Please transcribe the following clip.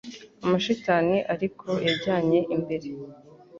amashitani ariko yajyanye imbere